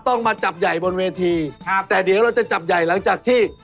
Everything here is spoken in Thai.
ต้องมาจับใหญ่บนเวทีครับแต่เดี๋ยวเราจะจับใหญ่หลังจากที่